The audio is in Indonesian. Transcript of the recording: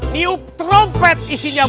nyuk trompet isinya butet